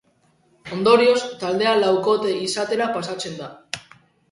Ondorioz, taldea laukote izatera pasatzen da.